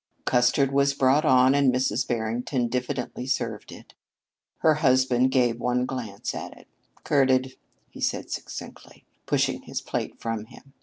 Custard was brought on and Mrs. Barrington diffidently served it. Her husband gave one glance at it. "Curdled!" he said succinctly, pushing his plate from him.